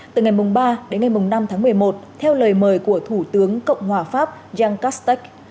từ ngày ba đến ngày năm tháng một mươi một theo lời mời của thủ tướng cộng hòa pháp yancaste